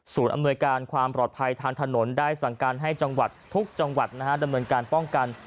อำนวยการความปลอดภัยทางถนนได้สั่งการให้จังหวัดทุกจังหวัดดำเนินการป้องกัน